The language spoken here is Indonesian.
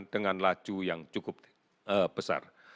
dengan laju yang cukup besar